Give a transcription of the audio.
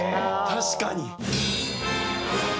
確かに！